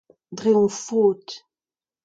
dre hon faot.